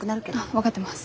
分かってます。